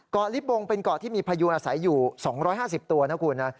ลิบงเป็นเกาะที่มีพยูอาศัยอยู่๒๕๐ตัวนะคุณนะ